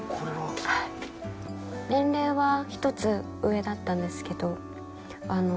年齢は１つ上だったんですけど。